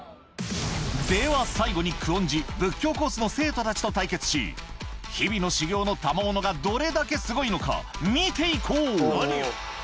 では最後に、久遠寺仏教コースの生徒たちと対決し、日々の修行のたまものがどれだけすごいのか、見ていこう。